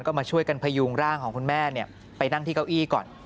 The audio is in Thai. ก็มาช่วยกันพยุงร่างของคุณแม่ไปนั่งที่เก้าอี้ก่อน